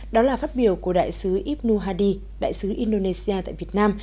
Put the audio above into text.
đó là phát biểu của đại sứ ibnu hadi đại sứ indonesia tại việt nam